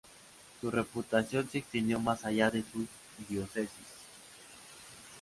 Su reputación se extendió más allá de su diócesis.